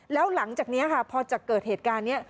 แล้วหลังจากนี้ค่ะพอจะเกิดเหตุการณ์นี้